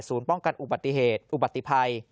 ป้องกันอุบัติเหตุอุบัติภัย